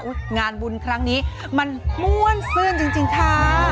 งานบุญครั้งนี้มันม่วนซื่นจริงค่ะ